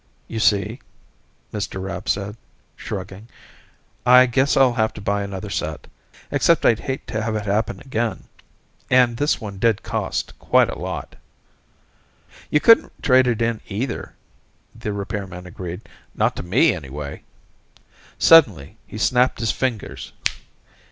"You see," Mr. Rapp said, shrugging. "I guess I'll have to buy another set. Except I'd hate to have it happen again, and this one did cost quite a lot." "You couldn't trade it in, either," the repairman agreed. "Not to me, anyway." Suddenly he snapped his fingers.